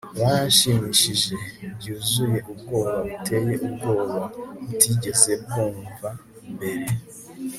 byaranshimishije - byuzuye ubwoba buteye ubwoba butigeze bwumva mbere